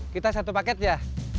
kita satu paket ya